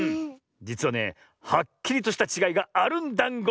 じつはねはっきりとしたちがいがあるんだんご。